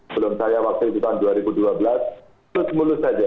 belum saya waktu itu tahun dua ribu dua belas terus mulus saja